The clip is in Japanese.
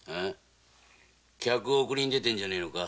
客を送りに出てるんじゃねえのか。